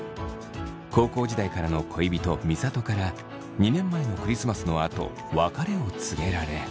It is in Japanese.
高校時代からの恋人美里から２年前のクリスマスのあと別れを告げられ。